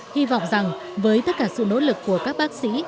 hy vọng rằng với tất cả sự nỗ lực của các bác sĩ